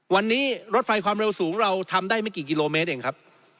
วันนี้รถไฟความเร็วสูงเราทำได้ไม่กี่กิโลเมตรเองครับ